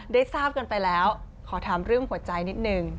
ได้ทราบกันไปแล้วขอถามเรื่องหัวใจนิดนึง